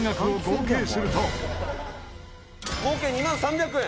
「合計２万３００円」